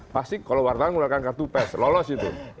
pasti kalau wartawan menggunakan kartu pes lolos itu